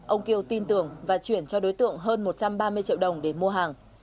ông kiêu tin tưởng và chuyển cho đối tượng hơn một trăm ba mươi triệu đồng để mua hàng